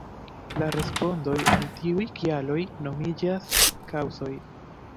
La respondoj al tiuj kialoj nomiĝas “kaŭzoj”.